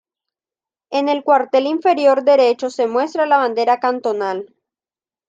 En el cuartel inferior derecho se muestra la bandera cantonal.